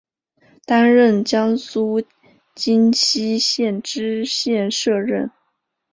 担任江苏荆溪县知县摄任。